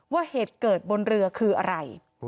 ว่าเหตุเกิดบนเรือคืออะไร